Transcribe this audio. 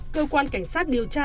cơ quan cảnh sát điều tra